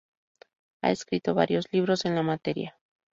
Ha escrito varios libros en la materia.